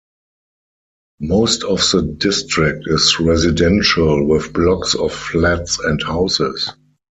Most of the district is residential, with blocks of flats and houses.